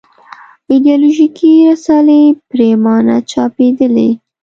ایدیالوژیکې رسالې پرېمانه چاپېدلې.